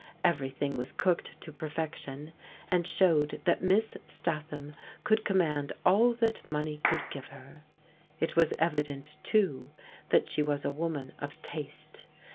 Everything was cooked to perfection, and showed that Miss Statham could command all that money could give her. It was evident, too, that she was a woman of taste.